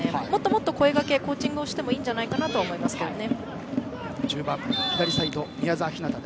もっと声がけコーチングをしてもいいんじゃないかなと思いますけどね。